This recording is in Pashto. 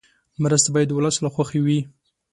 مرستې باید د ولس له خوښې وي.